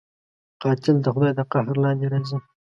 قاتل د خدای د قهر لاندې راځي